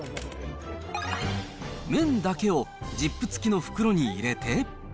麺だけをジップ付きの袋に入れて。